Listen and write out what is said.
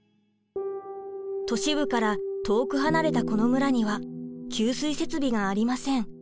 都市部から遠く離れたこの村には給水設備がありません。